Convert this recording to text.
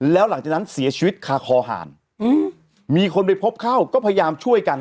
แล้วหลังจากนั้นเสียชีวิตคาคอหารมีคนไปพบเข้าก็พยายามช่วยกัน